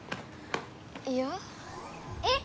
いやあ？えっ？